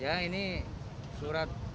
ya ini surat